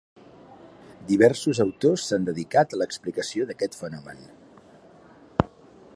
Diversos autors s'han dedicat a l'explicació d'aquest fenomen.